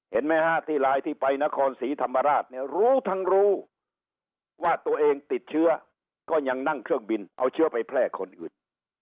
เห็นไหมฮะที่ไลน์ที่ไปนครศรีธรรมราชเนี่ยรู้ทั้งรู้ว่าตัวเองติดเชื้อก็ยังนั่งเครื่องบินเอาเชื้อไปแพร่คนอื่น